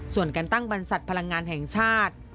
ส่วนการตั้งบรรษัทพลังงานแห่งชาติ